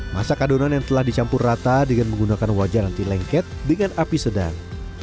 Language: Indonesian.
masak adonan yang telah dicampur rata dengan menggunakan wajan anti lengket dengan api sedang